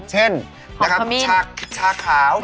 เช่นชาขาว